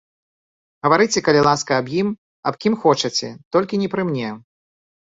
Гаварыце, калі ласка, аб ім, аб кім хочаце, толькі не пры мне.